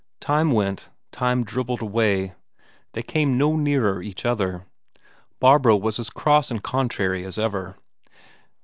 Time went, time dribbled away, they came no nearer each other; Barbro was as cross and contrary as ever.